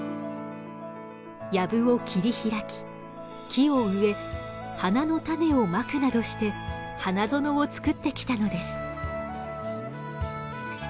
やぶを切り開き木を植え花の種をまくなどして花園を作ってきたのです。